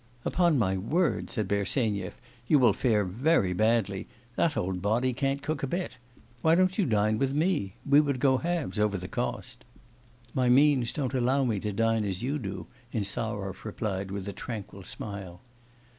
'Upon my word!' said Bersenyev, 'you will fare very badly; that old body can't cook a bit. Why don't you dine with me, we would go halves over the cost.' 'My means don't allow me to dine as you do,' Insarov replied with a tranquil smile.